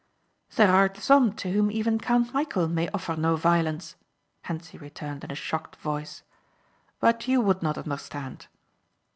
"There are some to whom even Count Michæl may offer no violence," Hentzi returned in a shocked voice. "But you would not understand."